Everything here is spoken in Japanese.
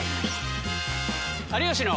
「有吉の」。